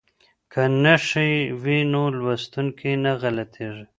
که نښې وي نو لوستونکی نه غلطیږي.